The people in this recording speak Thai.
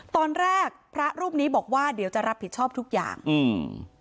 ตอนแรกพระรูปนี้บอกว่าเดี๋ยวจะรับผิดชอบทุกอย่างอืม